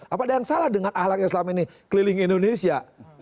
apa ada yang salah dengan ahlak yang selama ini keliling indonesia